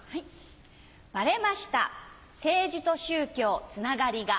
バレました政治と宗教つながりが。